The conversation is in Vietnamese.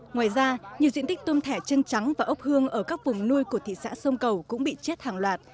ngoài ra nhiều diện tích tôm thẻ chân trắng và ốc hương ở các vùng nuôi của thị xã sông cầu cũng bị chết hàng loạt